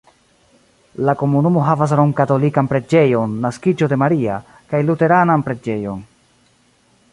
La komunumo havas romkatolikan preĝejon Naskiĝo de Maria kaj luteranan preĝejon.